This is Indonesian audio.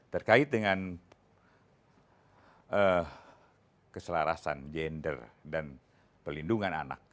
terkait dengan keselarasan gender dan pelindungan anak